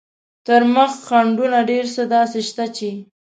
تر مخ خنډونه ډېر څه داسې شته چې.